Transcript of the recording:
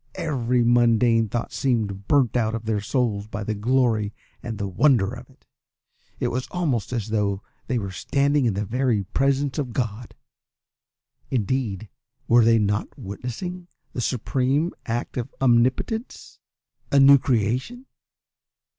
Every mundane thought seemed burnt out of their souls by the glory and the wonder of it. It was almost as though they were standing in the very presence of God. Indeed, were they not witnessing the supreme act of Omnipotence, a new creation?